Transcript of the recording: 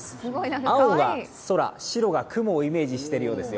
青が空、白が雲をイメージしているようですよ。